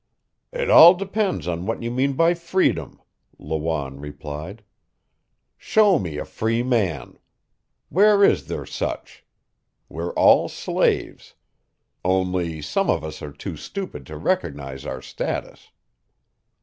"It all depends on what you mean by freedom," Lawanne replied. "Show me a free man. Where is there such? We're all slaves. Only some of us are too stupid to recognize our status."